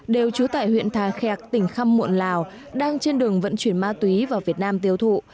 đều trú tại huyện thà khẹc tỉnh khăm muộn lào đang trên đường vận chuyển ma túy vào việt nam tiêu thụ